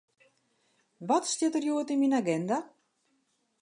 Wat stiet der hjoed yn myn aginda?